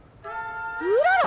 うらら！？